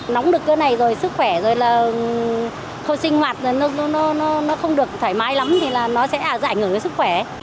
nóng được cái này rồi sức khỏe rồi là không sinh hoạt rồi nó không được thoải mái lắm thì là nó sẽ giải ngưỡng cái sức khỏe